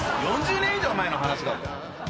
４０年以上前の話だぞ！